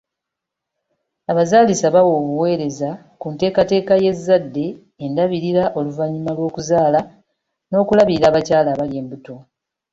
Abazaalisa bawa obuweereza ku nteekateeka y'ezzadde, endabirira oluvannyuma lw'okuzaala n'okulabirira abakyala abali embuto.